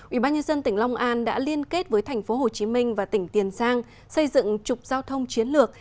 ubnd tỉnh long an đã liên kết với tp hcm và tỉnh tiền giang xây dựng trục giao thông chiến lược